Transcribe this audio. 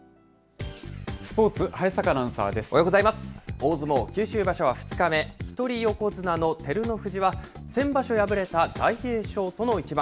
大相撲九州場所は２日目、一人横綱の照ノ富士は、先場所敗れた大栄翔との一番。